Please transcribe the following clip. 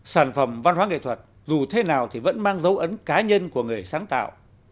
sản phẩm văn hóa nghệ thuật dù thế nào thì vẫn mang dấu ấn cá nhân của người sáng tạo